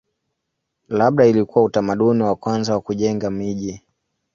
Labda ilikuwa utamaduni wa kwanza wa kujenga miji.